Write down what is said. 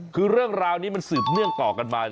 คือเรื่องราวนี้มันสืบเนื่องต่อกันมา